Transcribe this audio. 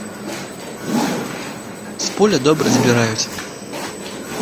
З поля добра збіраюць.